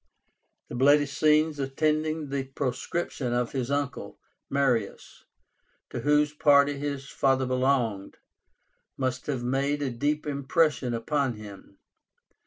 The bloody scenes attending the proscription of his uncle Marius, to whose party his father belonged, must have made a deep impression upon him.